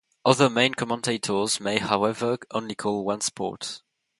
Other main commentators may, however, only call one sport.